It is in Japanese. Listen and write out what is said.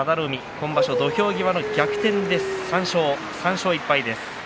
今場所、土俵際の逆転で３勝１敗です。